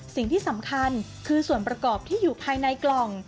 สิ่งที่สำคัญคือส่วนประกอบที่อยู่ภายในกล่อง